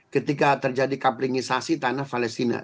ketika terjadi kaplingisasi tanah palestina